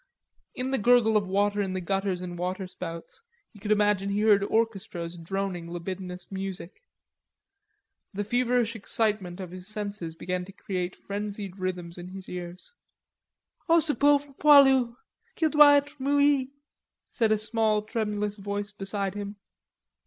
In the gurgle of water in gutters and water spouts he could imagine he heard orchestras droning libidinous music. The feverish excitement of his senses began to create frenzied rhythms in his ears: "O ce pauvre poilu! Qu'il doit etre mouille" said a small tremulous voice beside him.